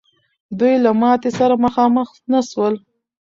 دوی له ماتي سره مخامخ نه سول.